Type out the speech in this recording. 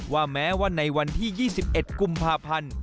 แม้ว่าในวันที่๒๑กุมภาพันธ์